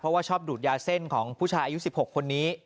เพราะว่าชอบดูดยาเส้นของผู้ชายอายุ๑๖คนนี้